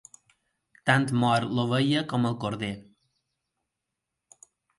Tant mor l'ovella com el corder.